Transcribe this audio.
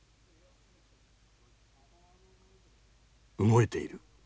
動いている。